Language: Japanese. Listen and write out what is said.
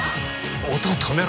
音止めろ。